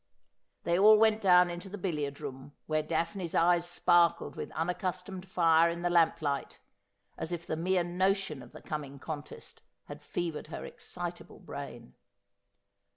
They all went down into the billiard room, where Daphne's eyes sparkled with unaccustomed fire in the lamplight, as if the mere notion of the coming contest had fevered her excitable brain.